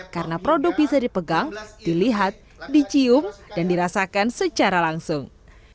karena produk bisa dipegang dilihat dicium dan dirasakan secara langsung